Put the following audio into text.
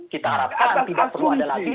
kita harapkan tidak perlu ada lagi